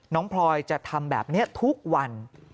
พลอยจะทำแบบนี้ทุกวัน